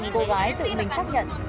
cô gái tự mình xác nhận